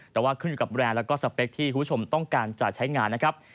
แต่ว่าขึ้นอยู่กับแบรนด์แล้วก็สเปคที่คุณผู้ชมต้องการจะใช้งานนะครับ